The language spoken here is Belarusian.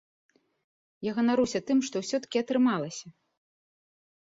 Я ганаруся тым, што ўсё-ткі атрымалася.